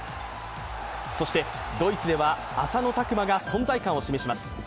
そして、ドイツでは浅野拓磨が存在感を示します。